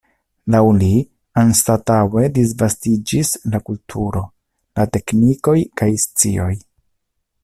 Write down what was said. Laŭ li, anstataŭe disvastiĝis la kulturo, la teknikoj kaj scioj.